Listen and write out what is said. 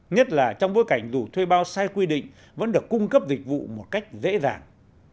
nhất là trong bối cảnh dù thuê bao sai quy định vẫn được cung cấp dịch vụ một cách dễ dàng